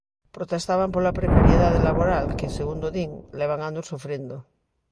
Protestaban pola precariedade laboral que, segundo din, levan anos sufrindo.